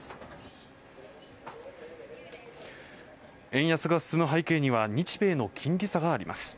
円安が進む背景には日米の金利差があります